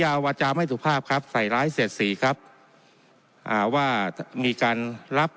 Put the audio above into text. ก็นะว่าตัวเนื่องด้วยผมอยากให้ทุกขับด้วยครับ